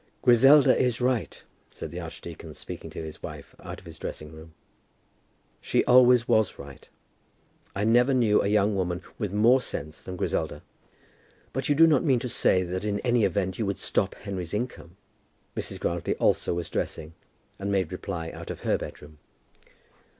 "Griselda is right," said the archdeacon, speaking to his wife out of his dressing room. "She always was right. I never knew a young woman with more sense than Griselda." "But you do not mean to say that in any event you would stop Henry's income?" Mrs. Grantly also was dressing, and made reply out of her bedroom.